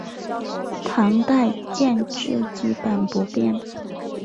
唐代建制基本不变。